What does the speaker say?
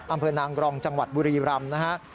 อำเภอนางรองจังหวัดบุรีรำนะฮะ